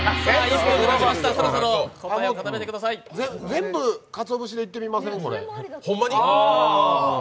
全部かつおぶしでいってみません？